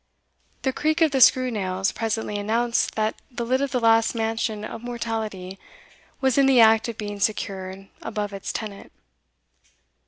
The creak of the screw nails presently announced that the lid of the last mansion of mortality was in the act of being secured above its tenant.